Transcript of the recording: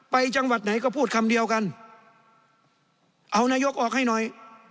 จังหวัดไหนก็พูดคำเดียวกันเอานายกออกให้หน่อย